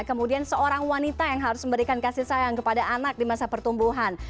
kemudian seorang wanita yang harus memberikan kasih sayang kepada anak di masa pertumbuhan